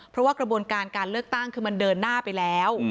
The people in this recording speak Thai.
เพราะว่ากระบวนการการเลือกตั้งคือมันเดินหน้าไปแล้ว